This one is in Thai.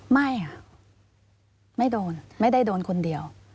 ไม่ค่ะไม่โดนไม่ได้โดนคนเดียว